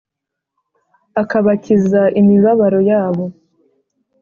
akabakiza imibabaro yabo.